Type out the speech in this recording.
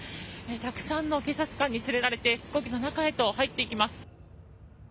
たくさんの警察官に連れられて飛行機の中へと入っていきます。